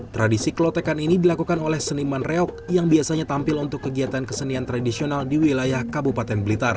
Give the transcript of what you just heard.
tradisi klotekan ini dilakukan oleh seniman reok yang biasanya tampil untuk kegiatan kesenian tradisional di wilayah kabupaten blitar